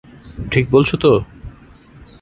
ঠিক বলছ তো?